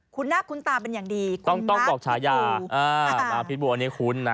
คุณหน้าคุณตามเป็นอย่างดีคุณมาร์คพิธบูรณ์นะครับอ่ามาร์คพิธบูรณ์อันนี้คุ้นนะ